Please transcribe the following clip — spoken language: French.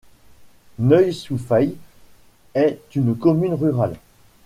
Nueil-sous-Faye est une commune rurale.